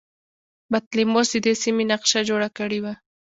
بطلیموس د دې سیمې نقشه جوړه کړې وه